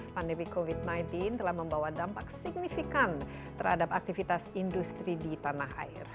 pandemi covid sembilan belas telah membawa dampak signifikan terhadap aktivitas industri di tanah air